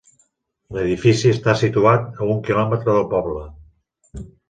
L'edifici està situat a un quilòmetre del poble.